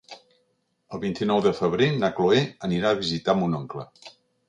El vint-i-nou de febrer na Cloè anirà a visitar mon oncle.